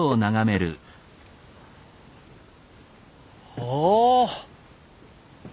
おお！